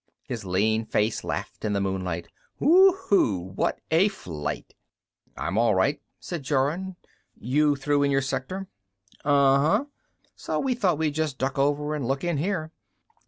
His lean face laughed in the moonlight. "Whoo oo, what a flight!" "I'm all right," said Jorun. "You through in your sector?" "Uh huh. So we thought we'd just duck over and look in here.